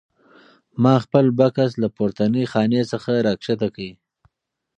ما خپل بکس له پورتنۍ خانې څخه راکوز کړ.